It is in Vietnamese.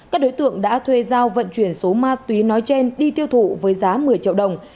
các đối tượng đã thuê giao vận chuyển số ma túy nói trên đi tiêu thụ với giá một mươi triệu đồng